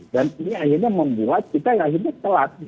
dan ini akhirnya membuat kita akhirnya telat